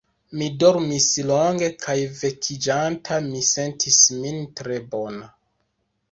Mi dormis longe, kaj vekiĝanta mi sentis min tre bona.